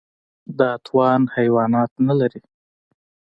دا توان حیوانات نهلري.